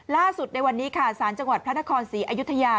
ในวันนี้ค่ะสารจังหวัดพระนครศรีอยุธยา